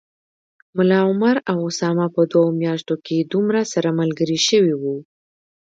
ملا عمر او اسامه په دوو میاشتو کي دومره سره ملګري شوي و